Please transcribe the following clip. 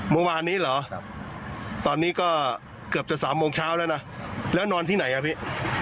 โมงวานนี้เหรอก็เกือบเจอ๓โมงเช้าแล้วนะแล้วนอนที่ไหนอ่ะพี่